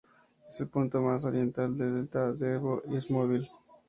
Es el punto más oriental del delta del Ebro, y es móvil.